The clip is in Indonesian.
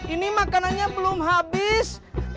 ini makanannya belum habis